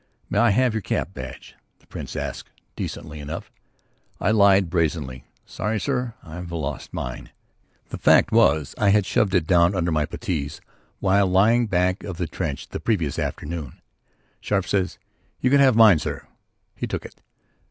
"May I have your cap badge?" the Prince asked, decently enough. I lied brazenly: "Sorry, sir; I've lost mine." The fact was I had shoved it down under my puttees while lying back of the trench the previous afternoon. Scarfe said: "You can have mine, sir." He took it.